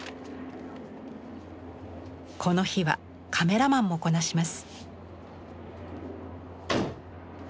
この日はカメラマンもこなします。